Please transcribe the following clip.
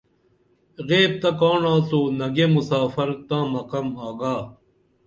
غیب تہ کاڻ آڅو نگے مسافر تاں مُقم آگا